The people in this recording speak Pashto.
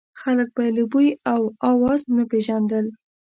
خلک به یې له بوی او اواز نه پېژندل.